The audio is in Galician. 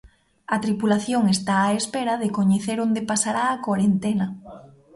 A tripulación está á espera de coñecer onde pasará a corentena.